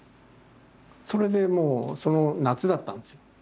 それでもう夏だったんですよ。